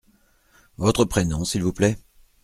Votre prénom, s’il vous plait ?